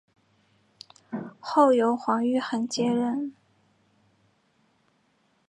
后由黄玉衡接任。